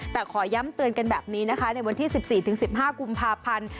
แต่ขอย้ำเตือนกันแบบนี้นะคะในวันที่๑๔๑๕กุมภาพันธ์